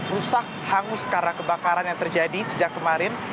rusak hangus karena kebakaran yang terjadi sejak kemarin